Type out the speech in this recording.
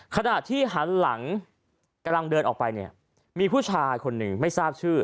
ขณะที่หันหลังกำลังเดินออกไปเนี่ยมีผู้ชายคนหนึ่งไม่ทราบชื่อ